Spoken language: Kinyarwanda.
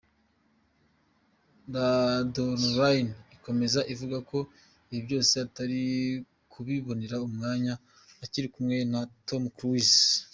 Radaronline ikomeza ivuga ko ibi byose Atari kubibonera umwanya akiri kumwe na Tom Cruise.